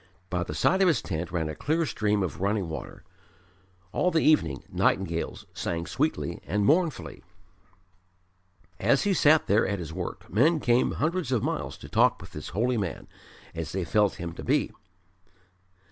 By the side of his tent ran a clear stream of running water. All the evening nightingales sang sweetly and mournfully. As he sat there at his work, men came hundreds of miles to talk with this holy man, as they felt him to be.